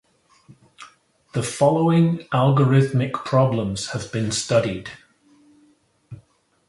The following algorithmic problems have been studied.